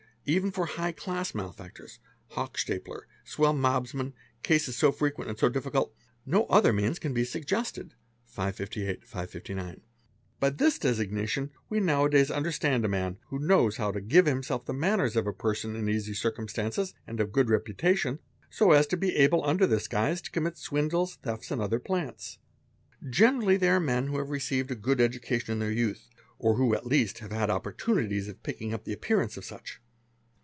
Even for 'High Class' malefactors, Hochstapler, swell mobsmen, case so frequent and so difficult, no other means can be suggested 5859), B this designation we now a days understand a man who knows how t give himself the manners of a person in easy circumstances and ¢ good reputation so as to be able under this guise to commit swindle thefts, and other plants. Generally they are men who have received | good education in their youth, or who at least have had opportunities picking up the appearance of such.